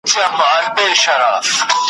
کوه نور غوندي ځلېږي یو غمی پکښي پیدا کړي `